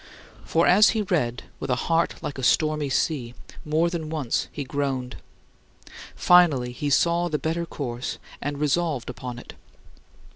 For as he read with a heart like a stormy sea, more than once he groaned. Finally he saw the better course, and resolved on it.